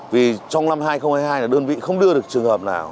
vì trong năm hai nghìn hai mươi hai là đơn vị không đưa được trường hợp nào